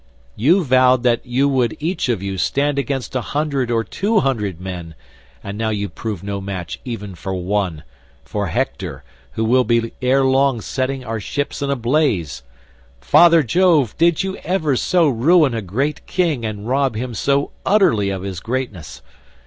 You vowed that you would each of you stand against a hundred or two hundred men, and now you prove no match even for one—for Hector, who will be ere long setting our ships in a blaze. Father Jove, did you ever so ruin a great king and rob him so utterly of his greatness?